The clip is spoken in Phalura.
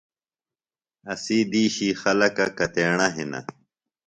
اسی دِیشی خلکہ کتیݨہ ہِنہ؟